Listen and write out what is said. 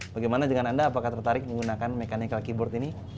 bagaimana dengan anda apakah tertarik menggunakan mechanical keyboard ini